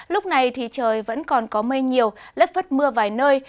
lúc này thì trời vẫn còn có mây nhiều lất vất mưa vài nơi